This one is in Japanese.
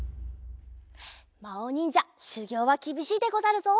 まおにんじゃしゅぎょうはきびしいでござるぞ。